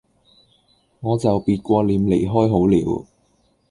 我就別過臉離開好了